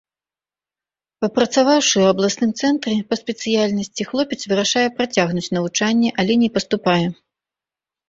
Папрацаваўшы ў абласным цэнтры па спецыяльнасці, хлопец вырашае працягнуць навучанне, але не паступае.